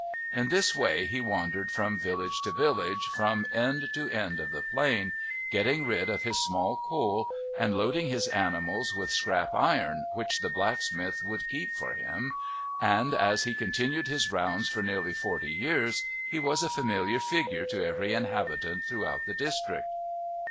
In this way he wandered from village to village from end to end of the Plain, getting rid of his small coal and loading his animals with scrap iron which the blacksmiths would keep for him, and as he continued his rounds for nearly forty years he was a familiar figure to every inhabitant throughout the district.